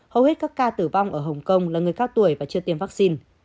hầu hết các ca tử vong ở hồng kông là người cao tuổi và chưa tiêm vaccine